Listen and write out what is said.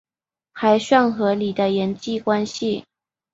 还算合理的人际关系